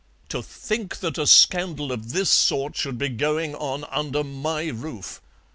"To think that a scandal of this sort should be going on under my roof!"